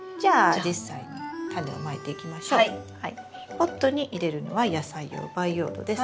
ポットに入れるのは野菜用培養土です。